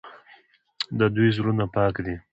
د دوی زړونه پاک دي.